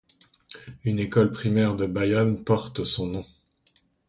Une école primaire de Bayonne porte son nom.